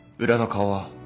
裏の顔は？